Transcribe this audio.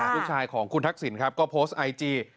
ลูกชายของคุณทักษิณครับก็โพสต์ไอจี